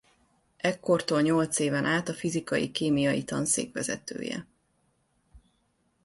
Ekkortól nyolc éven át a Fizikai Kémiai Tanszék vezetője.